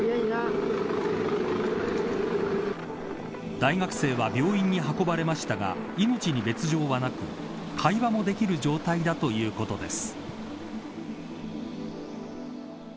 大学生は病院に運ばれましたが命に別条はなく、会話もできる状態だということです。